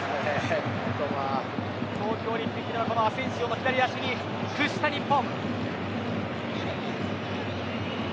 東京オリンピックではアセンシオの左足に屈した日本。